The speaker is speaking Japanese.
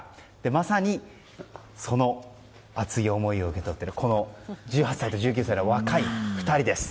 まさに、その熱い思いを受け取っているこの１８歳と１９歳の若い２人です。